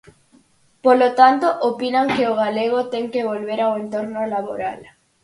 Polo tanto, opinan que o galego ten que volver ao entorno laboral.